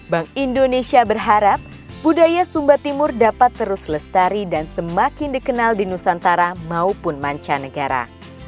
bank indonesia berharap budaya sumba timur dapat terus lestari dan semakin dikenal di nusantara maupun mancanegara